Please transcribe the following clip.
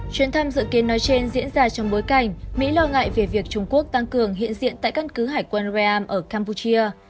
chuyến thăm dự kiến nói trên diễn ra trong bối cảnh mỹ lo ngại về việc trung quốc tăng cường hiện diện tại căn cứ hải quân ream ở campuchia